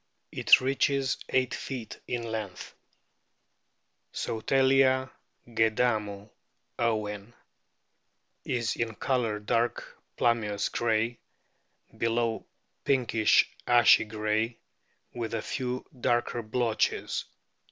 It reaches eight feet in length. Solatia gadamu, Owen,* is in colour dark plum beous grey, below pinkish ashy grey, with a few darker blotches.